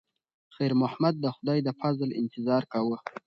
خیر محمد د خدای د فضل انتظار کاوه.